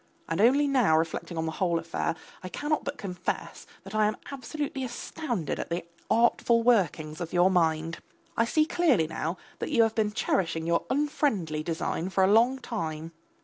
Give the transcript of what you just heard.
And only now reflecting on the whole affair, I cannot but confess that I am absolutely astounded at the artful workings of your mind. I see clearly now that you have been cherishing your unfriendly design for a long time.